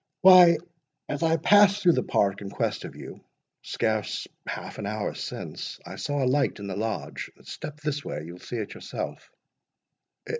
Why, as I passed through the park in quest of you, scarce half an hour since, I saw a light in the Lodge—Step this way, you will see it yourself."